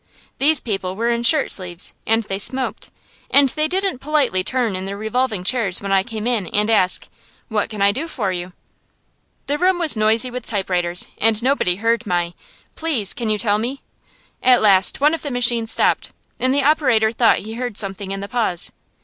These people were in shirt sleeves, and they smoked, and they didn't politely turn in their revolving chairs when I came in, and ask, "What can I do for you?" The room was noisy with typewriters, and nobody heard my "Please, can you tell me." At last one of the machines stopped, and the operator thought he heard something in the pause.